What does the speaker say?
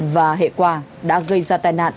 và hệ quả đã gây ra tai nạn